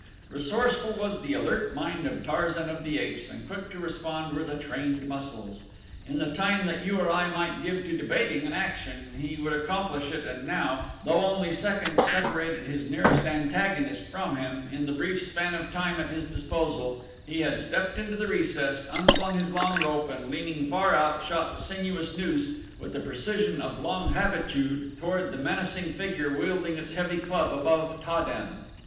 Resourceful was the alert mind of Tarzan of the Apes and quick to respond were the trained muscles. In the time that you or I might give to debating an action he would accomplish it and now, though only seconds separated his nearest antagonist from him, in the brief span of time at his disposal he had stepped into the recess, unslung his long rope and leaning far out shot the sinuous noose, with the precision of long habitude, toward the menacing figure wielding its heavy club above Ta den.